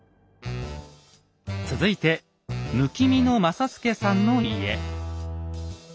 続いてむきみの政助さんの家。